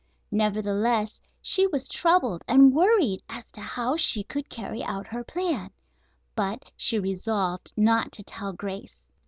Nevertheless she was troubled and worried as to how she could carry out her plan; but she resolved not to tell Grace.